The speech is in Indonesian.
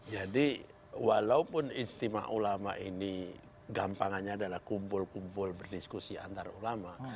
jadi walaupun istimewa ulama ini gampangannya adalah kumpul kumpul berdiskusi antar ulama